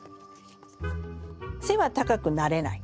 背は高くなれない。